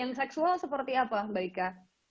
yang seksual seperti apa mbak ika